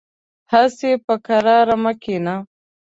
هسې په قرار مه کېنه .